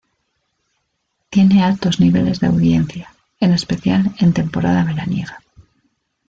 Tiene altos niveles de audiencia, en especial en temporada veraniega.